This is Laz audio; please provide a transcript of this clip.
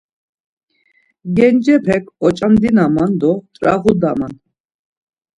Gencepek oç̌andinaman do t̆rağuduman.